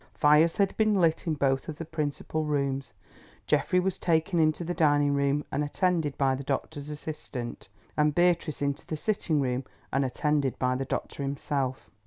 Fires had been lit in both of the principal rooms. Geoffrey was taken into the dining room and attended by the doctor's assistant, and Beatrice into the sitting room, and attended by the doctor himself.